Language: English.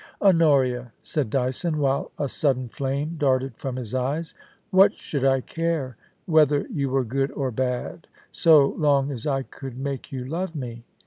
* Honoria,' said Dyson, while a sudden flame darted from his eyes, ' what should I care whether you were good or bad, so long as I could make you love me